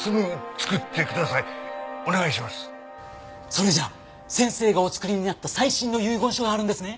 それじゃあ先生がお作りになった最新の遺言書があるんですね？